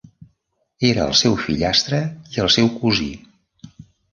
Era el seu fillastre i el seu cosí.